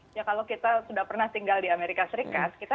dengan kalangan kalangan african american begitu mbak dina